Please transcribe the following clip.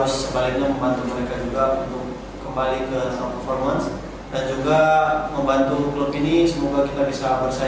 saya ingin membantu klub ini semoga kita bisa bersaing di papan atas